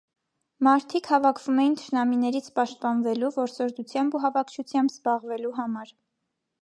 Մարդիկ հավաքվում էին թշնամիներից պաշտպանվելու, որսորդությամբ ու հավաքչութամբ զբաղվելու համար։